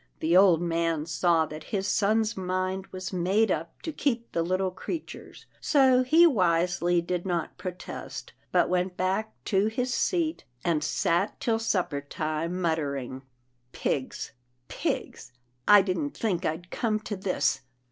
The old man saw that his son's mind was made up to keep the little creatures, so he wisely did not protest, but went back to his seat, and sat till supper time, muttering, " Pigs, pigs, I didn't think I'd come to this